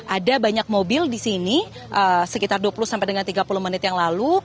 ada banyak mobil di sini sekitar dua puluh sampai dengan tiga puluh menit yang lalu